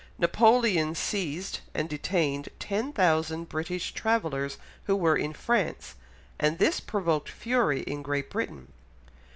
Napoleon seized and detained 10,000 British travellers who were in France, and this provoked fury in Great Britain.